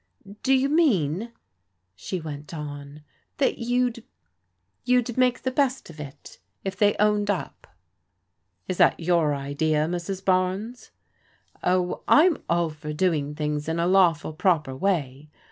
" Do you mean," she went on, *' that you'd — ^you'd make the best of it, if they owned up ?"" Is that your idea, Mrs. Barnes ?"" Oh, I'm all for doing things in a lawful, proper way.